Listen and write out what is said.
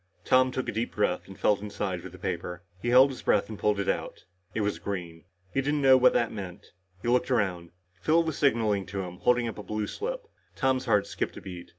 Tom took a deep breath and felt inside for the paper. He held his breath and pulled it out. It was green. He didn't know what it meant. He looked around. Phil was signaling to him, holding up a blue slip. Tom's heart skipped a beat.